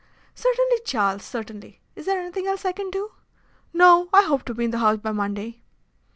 "Certainly, Charles, certainly. Is there anything else that I can do?" "No. I hope to be in the House by Monday."